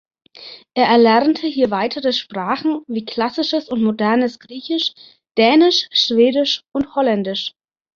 Er erlernte hier weitere Sprachen wie klassisches und modernes Griechisch, Dänisch, Schwedisch und Holländisch.